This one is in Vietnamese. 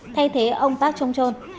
thay thế ông park jong chol